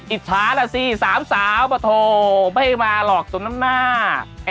อิจฉานะสิ๓สาวโอ้โธ่ไม่ให้มาหรอกตรงน้ำหน้า